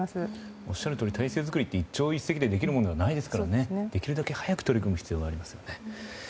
おっしゃるとおり体制作りは一朝一夕でできるものではないですからできるだけ早く取り組む必要がありますね。